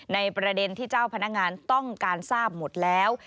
ในประเด็นที่เจ้าพนักงานต้องการทราบหมดแล้ว